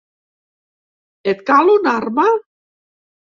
Et cal una arma?